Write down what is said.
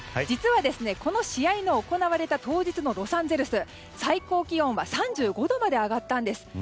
実は、この試合の行われた当日のロサンゼルス最高気温は３５度まで上がったんです。